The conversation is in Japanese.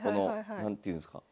何ていうんすか？